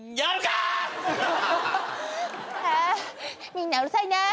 「みんなうるさいな」